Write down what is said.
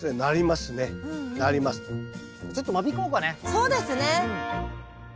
そうですね。